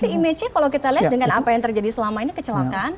tapi image nya kalau kita lihat dengan apa yang terjadi selama ini kecelakaan